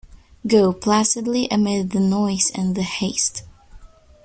Go placidly amid the noise and the haste